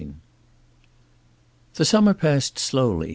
XXXV The summer passed slowly.